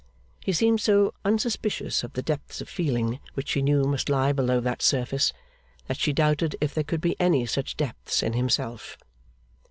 He seemed so unsuspicious of the depths of feeling which she knew must lie below that surface, that she doubted if there could be any such depths in himself.